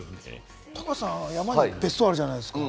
高橋さん、山に別荘あるじゃないですか。